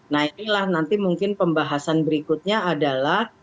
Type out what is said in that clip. nah inilah nanti mungkin pembahasan berikutnya adalah